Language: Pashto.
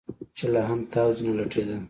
چې لا هم تاو ځنې لټېده.